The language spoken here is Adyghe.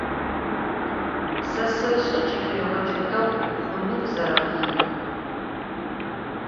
Se seş'e ç'eleêğece değu vuxhunır zerekhinır.